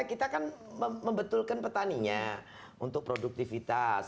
kita kan membetulkan petaninya untuk produktivitas